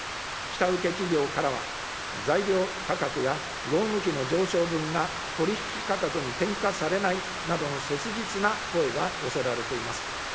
下請企業からは、材料価格や労務費の上昇分が取り引き価格に転嫁されないなどの切実な声が寄せられています。